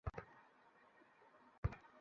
দেখলেই তো, খাবার ডেলিভার করলাম।